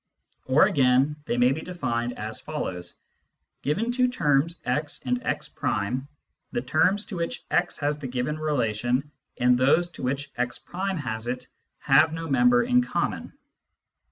Or, again, they may be defined as follows :' Given two terms x and x', the terms to which x has the given relation and those to which x' has it have no member in common.